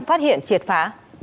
phát hiện triệt phá